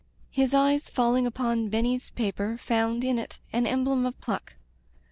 His eyes falling upon Benny's paper found in it an emblem of pluck.